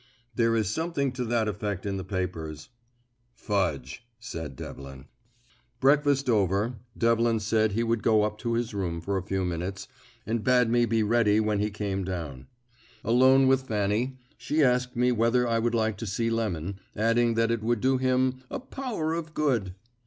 "There is something to that effect in the papers." "Fudge!" said Devlin. Breakfast over, Devlin said he would go up to his room for a few minutes, and bade me be ready when he came down. Alone with Fanny, she asked me whether I would like to see Lemon, adding that it would do him "a power of good."